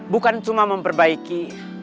bukan cuma memperbaiki